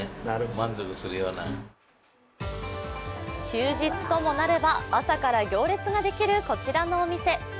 休日ともなれば朝から行列ができるこちらのお店。